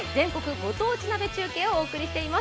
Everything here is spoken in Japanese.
ご当地鍋中継」をお送りしています